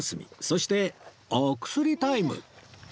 そしてお薬タイム